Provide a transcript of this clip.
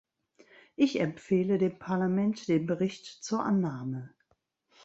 Ich empfehle dem Parlament den Bericht zur Annahme.